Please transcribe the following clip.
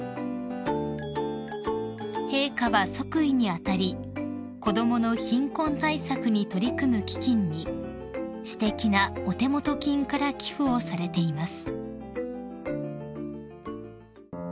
［陛下は即位に当たり子供の貧困対策に取り組む基金に私的なお手元金から寄付をされています］